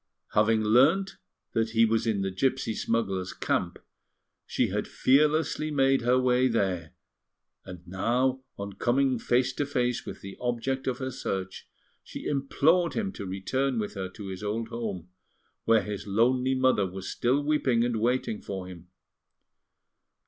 Having learnt that he was in the gipsy smugglers' camp, she had fearlessly made her way there; and now, on coming face to face with the object of her search, she implored him to return with her to his old home, where his lonely mother was still weeping and waiting for him.